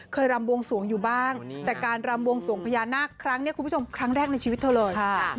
รำบวงสวงอยู่บ้างแต่การรำบวงสวงพญานาคครั้งนี้คุณผู้ชมครั้งแรกในชีวิตเธอเลย